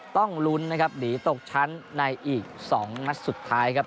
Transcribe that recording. ต้องลุ้นนะครับหนีตกชั้นในอีก๒นัดสุดท้ายครับ